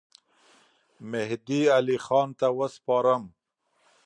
مهدي علي خان ته وسپارم.